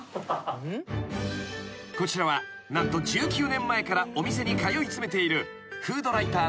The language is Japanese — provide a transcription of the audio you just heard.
［こちらは何と１９年前からお店に通い詰めている］